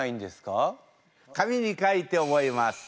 紙に書いて覚えます。